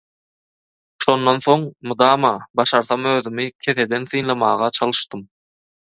Şondan soň, mydama, başarsam özümi keseden synlamaga çalyşdym.